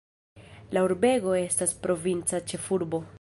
La urbego estas provinca ĉefurbo.